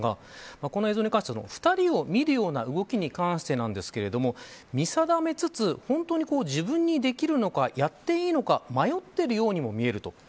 この映像に関して、２人を見るような動きに関してなんですけれども見定めつつ本当に自分にできるのかやっていいのか迷っているようにも見えると。